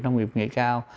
nông nghiệp nghệ cao